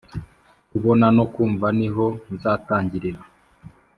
kubona no kumva niho nzatangirira